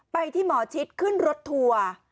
ที่หมอชิดขึ้นรถทัวร์